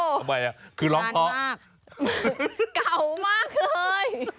ทำไมอ่ะคือร้องเพราะมากเก่ามากเลย